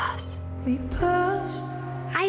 แล้วเราผ่านไป